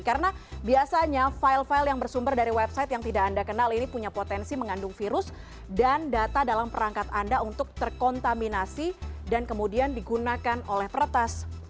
karena biasanya file file yang bersumber dari website yang tidak anda kenal ini punya potensi mengandung virus dan data dalam perangkat anda untuk terkontaminasi dan kemudian digunakan oleh peretas